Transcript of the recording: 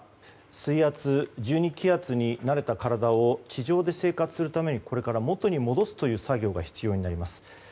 水圧１２気圧に慣れた体を地上で生活するためにこれから、元に戻すという作業が必要になります。